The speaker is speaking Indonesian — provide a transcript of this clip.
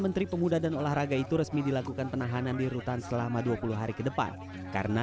menteri pemuda dan olahraga itu resmi dilakukan penahanan di rutan selama dua puluh hari ke depan karena